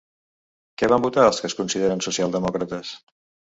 Què van votar els que es consideren socialdemòcrates?